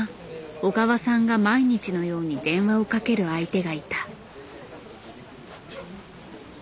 小川さんが毎日のように電話をかける相手がいた。